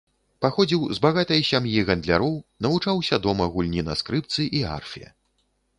Паходзіў з багатай сям'і гандляроў, навучаўся дома гульні на скрыпцы і арфе.